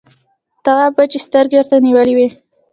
تواب وچې سترګې ورته نيولې وې…